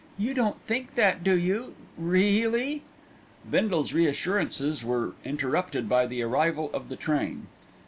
"You don't think that, do you, reeeeeally!" Bindle's reassurances were interrupted by the arrival of the train.